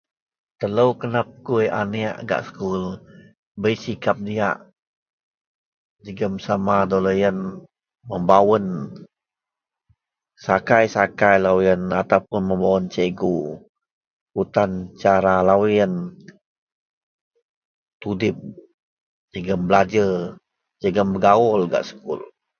Telo kena pegui anek gak sekul bei sikap diyak jegem sama doleyen membawen sakai-sakai loyen atau puon cikgu kutan cara doleyen tudip jegem belajer jegem bergawul gak sekul.